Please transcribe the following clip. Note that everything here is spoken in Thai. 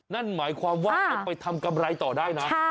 นั่นหมายความว่าเอาไปทำกำไรต่อได้นะ